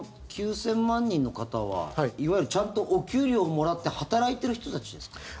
あの９０００万人の方はちゃんとお給料もらって働いてる人たちですか？